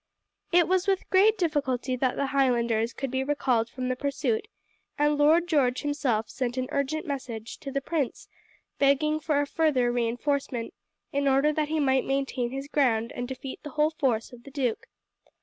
It was with great difficulty that the Highlanders could be recalled from the pursuit, and Lord George himself sent an urgent message to the prince begging for a further reinforcement, in order that he might maintain his ground and defeat the whole force of the duke.